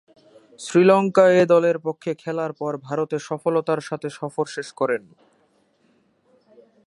Sri Lanka A দলের পক্ষে খেলার পর ভারতে সফলতার সাথে সফর শেষ করেন।